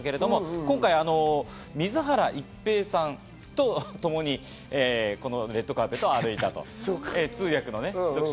今回、水原一平さんと共にレッドカーペットを歩いたと、通訳のね。